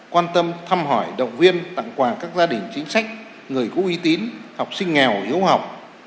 quan tâm thăm hỏi động viên tặng quà các gia đình chính sách người có uy tín học sinh nghèo hiếu học